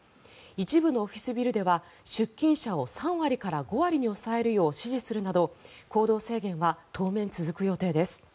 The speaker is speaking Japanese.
一部のオフィスビルでは出勤者を３割から５割に抑えるよう指示するなど行動制限は当面続く予定です。